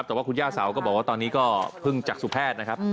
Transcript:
แต่ว่าคุณย่าเสาก็บอกว่าตอนนี้ก็เพิ่งจักษุแพทย์นะครับ